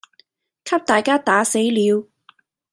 給大家打死了；